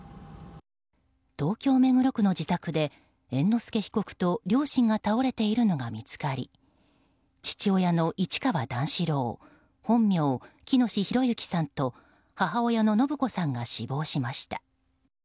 東京・目黒区の自宅で猿之助被告と両親が倒れているのが見つかり父親の市川段四郎本名・喜熨斗弘之さんと母親の延子さんが死亡しました。